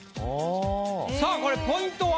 さぁこれポイントは？